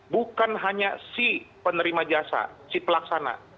bukan hanya si penerima jasa si pelaksana